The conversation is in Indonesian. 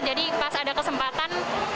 jadi pas ada kesempatan